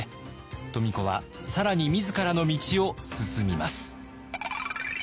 富子は更に自らの道を進みます。